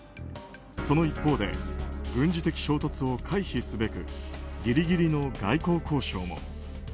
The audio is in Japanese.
その一方で軍事的衝突を回避すべくギリギリの外交交渉も。